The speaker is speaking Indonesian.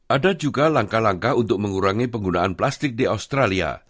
ada juga langkah langkah untuk mengurangi penggunaan plastik di australia